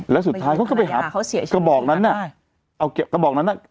แล้วสุดท้ายเขาก็ไปหาเขาเสียชีวิตกระบอกนั้นน่ะใช่เอาเก็บกระบอกนั้นอ่ะ